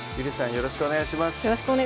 よろしくお願いします